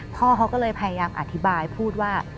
พ่อเขาก็เลยพยายามอธิบายพูดว่า